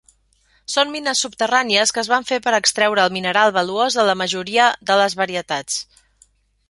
Són mines subterrànies que es van fer per extreure el mineral valuós de la majora de les varietats.